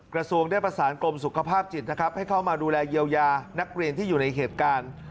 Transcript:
กระทรวงได้ประสานกรมสุขภาพจิตนะครับให้เข้ามาดูแลเยียวยานักเรียนที่อยู่ในเหตุการณ์